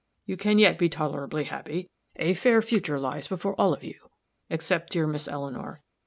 You can yet be tolerably happy. A fair future lies before all of you, except dear Miss Eleanor.